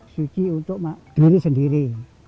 suci untuk diri sendiri